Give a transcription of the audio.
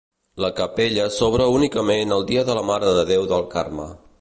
La capella s'obre únicament el dia de la Mare de Déu del Carme.